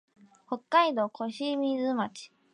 北海道小清水町